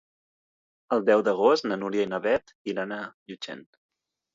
El deu d'agost na Núria i na Beth iran a Llutxent.